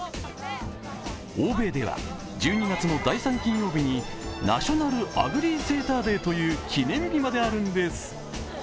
欧米では１２月の第３金曜日にナショナル・アグリーセーター・デーという記念日まであるんです。